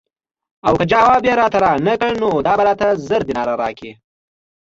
او که ځواب یې رانه کړ نو دا به راته زر دیناره راکړي.